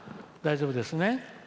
大丈夫ですね。